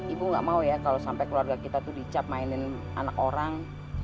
ibu gak mau ya kalau sampai keluarga kita tuh dicap mainin anak orang